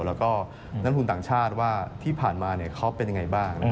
แล้วก็นักทุนต่างชาติว่าที่ผ่านมาเขาเป็นยังไงบ้าง